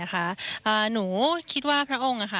หนูคิดว่าพระองค์